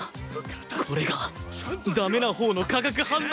これが駄目なほうの化学反応！